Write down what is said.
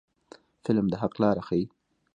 فلم د حق لاره ښيي